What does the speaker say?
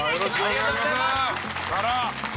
ありがとうございます！